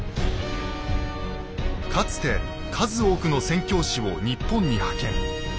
かつて数多くの宣教師を日本に派遣。